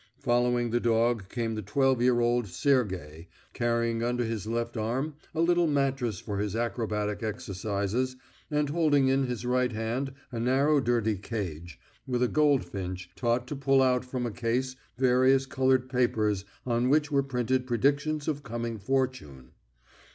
Following the dog came the twelve year old Sergey, carrying under his left arm a little mattress for his acrobatic exercises, and holding in his right hand a narrow dirty cage, with a goldfinch, taught to pull out from a case various coloured papers on which were printed predictions of coming fortune.